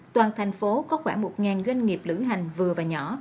toàn thành phố có khoảng một doanh nghiệp lữ hành vừa và nhỏ